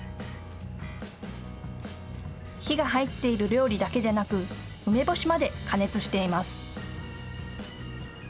火が入っている料理だけでなく梅干しまで加熱しています。